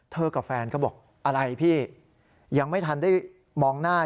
กับแฟนก็บอกอะไรพี่ยังไม่ทันได้มองหน้า